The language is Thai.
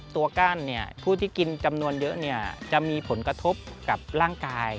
ตัวกั้นผู้ที่กินจำนวนเยอะจะมีผลกระทบกับร่างกาย